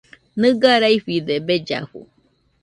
Nɨga raifide bellafu.